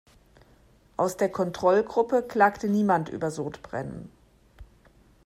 Aus der Kontrollgruppe klagte niemand über Sodbrennen.